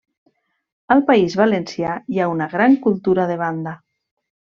Al País Valencià hi ha una gran cultura de banda.